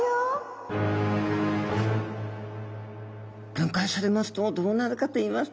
分解されますとどうなるかといいますと。